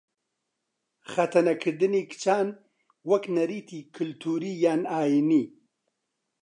خەتەنەکردنی کچان وەک نەریتی کلتووری یان ئایینی